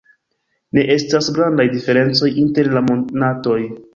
Ne estas grandaj diferencoj inter la monatoj.